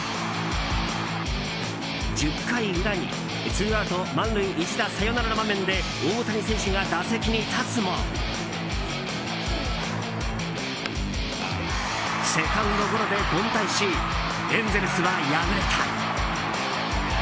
１０回裏に、ツーアウト満塁一打サヨナラの場面で大谷選手が打席に立つもセカンドゴロで凡退しエンゼルスは敗れた。